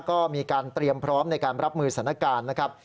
ก็มีการเตรียมพร้อมในการรับมือสถานการณ์นะครับ